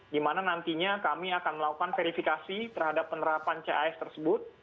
dimana nantinya kami akan melakukan verifikasi terhadap penerapan chs tersebut